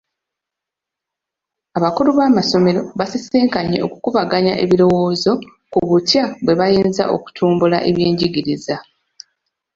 Abakulu b'amassomero baasisinkanye okukubaganya ebirowoozo ku butya bwe bayinza okutumbula ebyenjigiriza.